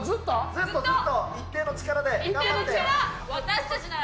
ずっとずっと、一定の力で、一定の力。